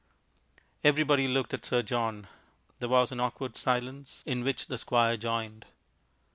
Everybody looked at Sir John. There was an awkward silence, in which the Squire joined....